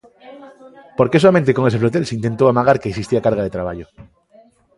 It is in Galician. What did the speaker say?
¿Por que soamente con ese flotel se intentou amagar que existía carga de traballo?